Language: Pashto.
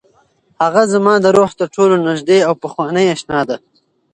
هغه زما د روح تر ټولو نږدې او پخوانۍ اشنا ده.